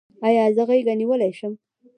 ایا زه غیږه نیولی شم؟